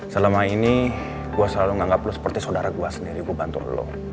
selama ini gue selalu menganggap lo seperti saudara gue sendiri gue bantu lo